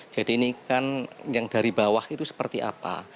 jadi ini kan yang dari bawah itu seperti apa